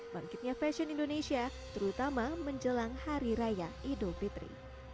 bangkitnya fashion indonesia terutama menjelang hari raya idul fitri